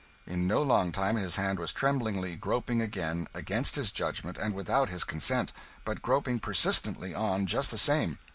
In no long time his hand was tremblingly groping again against his judgment, and without his consent but groping persistently on, just the same.